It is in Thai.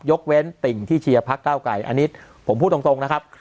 ยกเว้นติ่งที่เชียร์พักเก้าไกรอันนี้ผมพูดตรงนะครับ